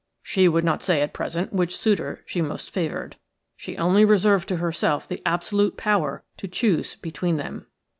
She would not say at present which suitor she most favoured; she only reserved to herself the absolute power to choose between them.